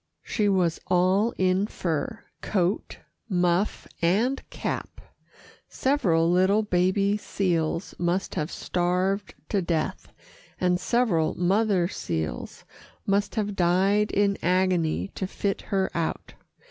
She was all in fur coat, muff and cap. Several little baby seals must have starved to death, and several mother seals must have died in agony to fit her out.